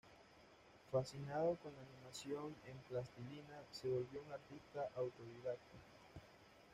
Fascinado con la animación en plastilina, se volvió un artista autodidacta.